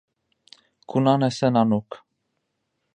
Kuna nese nanuk.